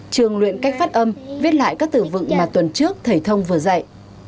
trường luyện cách phát âm viết lại các từ vựng mà tuần trước thầy thông vừa dạy